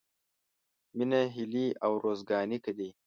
— مينه هيلې او ارزوګانې دي.